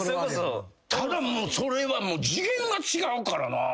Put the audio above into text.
ただそれは次元が違うからなぁ。